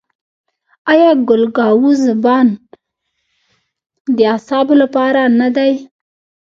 آیا ګل ګاو زبان د اعصابو لپاره نه دی؟